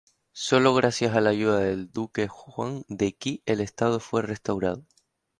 Sólo gracias a la ayuda del Duque Huan de Qi el estado fue restaurado.